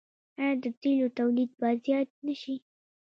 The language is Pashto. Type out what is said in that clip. آیا د تیلو تولید به زیات نشي؟